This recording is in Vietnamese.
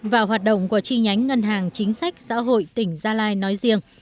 và hoạt động của chi nhánh ngân hàng chính sách xã hội tỉnh gia lai nói riêng